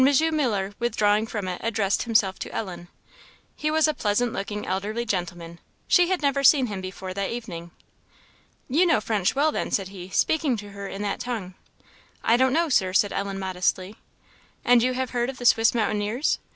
Muller withdrawing from it, addressed himself to Ellen. He was a pleasant looking elderly gentleman; she had never seen him before that evening. "You know French well, then?" said he, speaking to her in that tongue. "I don't know, Sir," said Ellen, modestly. "And you have heard of the Swiss mountaineers?"